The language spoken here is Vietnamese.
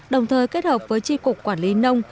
đồng thời kết hợp với tri cục quản lý nông